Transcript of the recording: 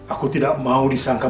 aku tidak mau disangka